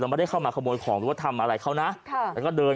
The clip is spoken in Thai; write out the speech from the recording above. เต็มห้องครัวเลย